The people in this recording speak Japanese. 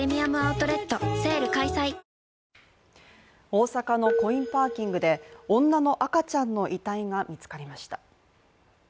大阪のコインパーキングで女の赤ちゃんの遺体が見つかりました。